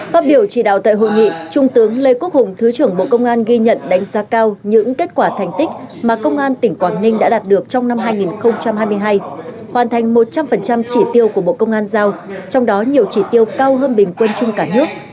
phát biểu chỉ đạo tại hội nghị trung tướng lê quốc hùng thứ trưởng bộ công an ghi nhận đánh giá cao những kết quả thành tích mà công an tỉnh quảng ninh đã đạt được trong năm hai nghìn hai mươi hai hoàn thành một trăm linh chỉ tiêu của bộ công an giao trong đó nhiều chỉ tiêu cao hơn bình quân chung cả nước